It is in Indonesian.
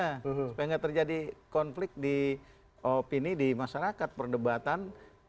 supaya nggak terjadi konflik di opini di masyarakat perdebatan